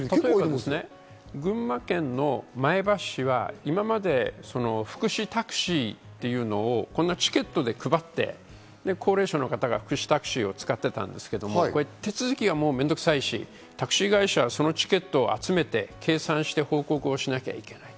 例えば群馬県の前橋市は今まで福祉タクシーっていうのを、こんなチケットで配って、高齢者の方が福祉タクシーを使っていたんですけど、手続きが面倒くさいし、タクシー会社はそのチケットを集めて計算して報告をしなくちゃいけない。